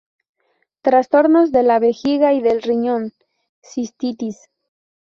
Trastornos de la vejiga y del riñón: Cistitis.